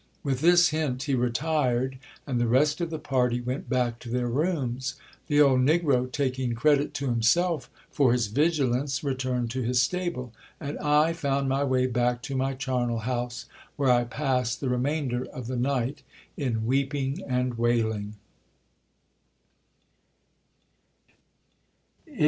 With this hint he retired, and the rest of the party went back to their rooms. The old negro, taking credit to himself for his vigilance, returned to his stable ; and I found my way back to my charnel house, where I passed the remainder of the night in weeping and wailing.